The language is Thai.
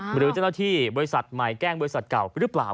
หรือเจ้าหน้าที่บริษัทใหม่แกล้งบริษัทเก่าหรือเปล่า